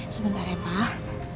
sebentar ya pak